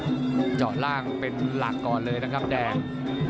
เจาะล่างเป็นหลักก่อนเลยนะครับแดง